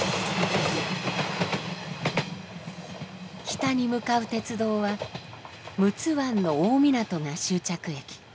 北に向かう鉄道は陸奥湾の大湊が終着駅。